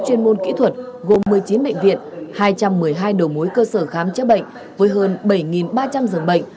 chuyên môn kỹ thuật gồm một mươi chín bệnh viện hai trăm một mươi hai đầu mối cơ sở khám chữa bệnh với hơn bảy ba trăm linh dường bệnh